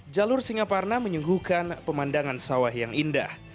jalur singaparna menyuguhkan pemandangan sawah yang indah